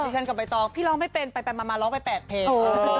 ฉันกับใบตองพี่ร้องไม่เป็นไปมาร้องไป๘เพลง